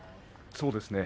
そうですね。